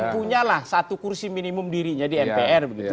punyalah satu kursi minimum dirinya di mpr begitu